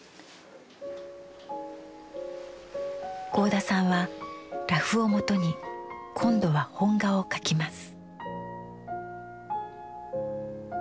合田さんはラフをもとに今度は本画を描きます。